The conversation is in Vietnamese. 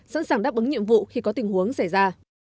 sẵn sàng đáp ứng nhiệm vụ khi có tình huống xảy ra